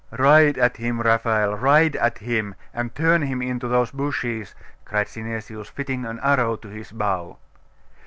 'Ride at him, Raphael ride at him, and turn him into those bushes!' cried Synesius, fitting an arrow to his bow.